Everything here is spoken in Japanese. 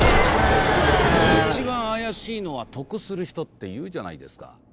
一番怪しいのは得する人っていうじゃないですか。